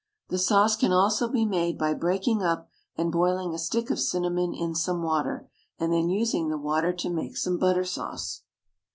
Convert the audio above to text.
The sauce can also be made by breaking up and boiling a stick of cinnamon in some water, and then using the water to make some butter sauce.